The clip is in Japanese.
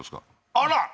あら！